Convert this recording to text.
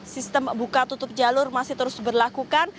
sistem buka tutup jalur masih terus diberlakukan